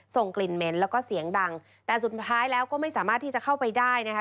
ส่งกลิ่นเหม็นแล้วก็เสียงดังแต่สุดท้ายแล้วก็ไม่สามารถที่จะเข้าไปได้นะคะ